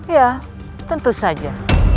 ya tentu saja